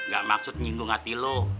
gak maksud nyinggung hati lo